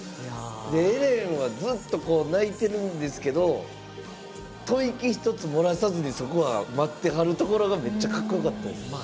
エレンは、ずっと泣いてるんですけど吐息一つ漏らさずに、そこは待ってはるところがめっちゃかっこよかったです。